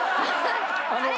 あれ？